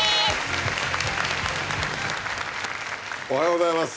おはようございます。